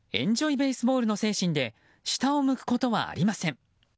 ・ベースボールの精神で下を向くことはありません。